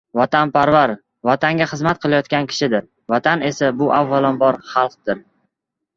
Vatanparvar — vatanga xizmat qilayotgan kishidir, vatan esa bu avvalambor xalqdir.